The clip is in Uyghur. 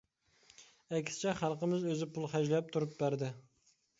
ئەكسىچە، خەلقىمىز ئۆزى پۇل خەجلەپ تۇرۇپ بەردى.